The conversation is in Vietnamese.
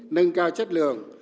nâng cao chất lượng